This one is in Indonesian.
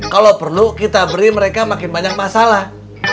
kalau perlu kita beri mereka makin banyak masalah